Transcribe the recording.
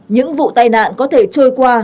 những vụ tai nạn có thể trôi qua